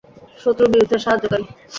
শত্রুর বিরুদ্ধে সাহায্যকারী।